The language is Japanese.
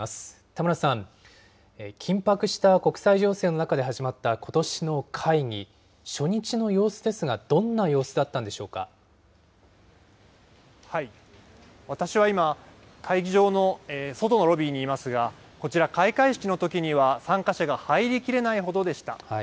田村さん、緊迫した国際情勢の中で始まったことしの会議、初日の様子ですが、私は今、会議場の外のロビーにいますが、こちら、開会式のときには参加者が入りきれないほどでした。